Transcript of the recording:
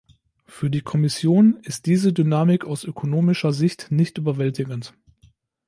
Für die Kommission ist diese Dynamik aus ökonomischer Sicht nicht überwältigend.